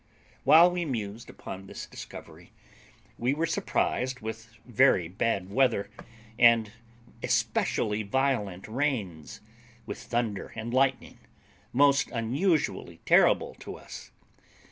While we mused upon this discovery, we were surprised with very bad weather, and especially violent rains, with thunder and lightning, most unusually terrible to us.